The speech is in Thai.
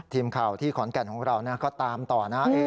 ทีมข่าวของเราที่ขอนแก่นของเราก็ตามต่อนะ